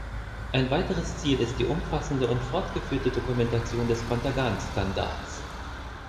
Ein weiteres Ziel ist die umfassende und fortgeführte Dokumentation des Contergan-Skandals.